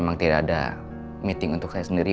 memang tidak ada meeting untuk saya sendiri